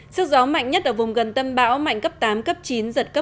sức gió mạnh nhất ở vùng gần tâm bão mạnh cấp tám cấp chín giật cấp một mươi một